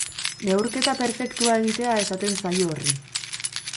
Neurketa perfektua egitea esaten zaio horri.